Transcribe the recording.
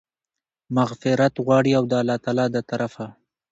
مغفرت غواړي، او د الله تعالی د طرفه